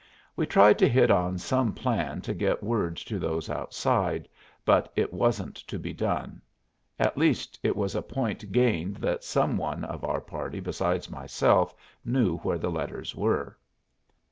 We tried to hit on some plan to get word to those outside, but it wasn't to be done. At least it was a point gained that some one of our party besides myself knew where the letters were.